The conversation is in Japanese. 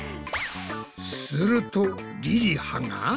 するとりりはが。